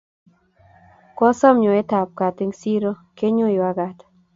Kyosom nyoetab gaat eng siro kenyonywa gaat